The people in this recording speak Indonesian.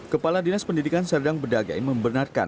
kepala dinas pendidikan serdang bedagai membenarkan